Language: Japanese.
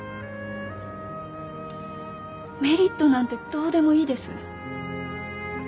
メリットなんてどうでもいいです。